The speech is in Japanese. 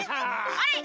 あれ？